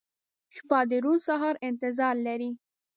• شپه د روڼ سهار انتظار لري.